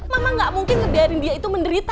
mama gak mungkin dari dia itu menderita